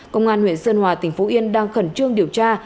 công an huyện sơn hòa tỉnh phú yên đang khẩn trương điều tra